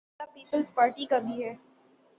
یہی معاملہ پیپلزپارٹی کا بھی ہے۔